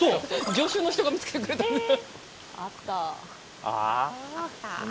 助手の人が見つけてくれたんです。